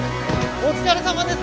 お疲れさまです。